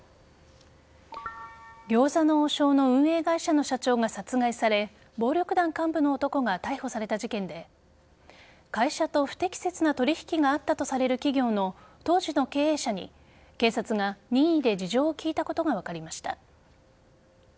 餃子の王将の運営会社の社長が殺害され暴力団幹部の男が逮捕された事件で会社と不適切な取引があったとされる企業の当時の経営者に警察が任意で事情を聴いたことが分かりました。